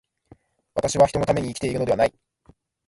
私は人のために生きているのではない。